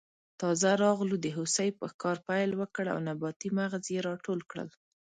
تازه راغلو د هوسۍ په ښکار پیل وکړ او نباتي مغز یې راټول کړل.